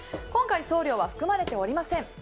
今回、送料は含まれておりません。